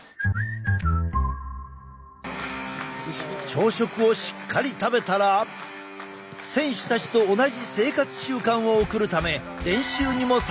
朝食をしっかり食べたら選手たちと同じ生活習慣を送るため練習にも参加させてもらった。